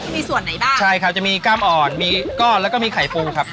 มีส่วนไหนบ้างใช่ครับจะมีกล้ามอ่อนมีก้อนแล้วก็มีไข่ปูครับ